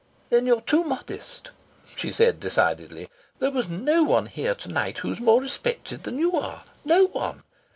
"Then you're too modest," she said decidedly. "There was no one here to night who's more respected than you are. No one!